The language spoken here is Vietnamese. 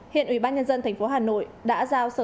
hiện ủy ban nhân dân tp hà nội đã giải quyết